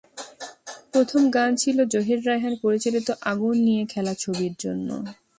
প্রথম গান ছিল জহির রায়হান পরিচালিত আগুন নিয়ে খেলা ছবির জন্য।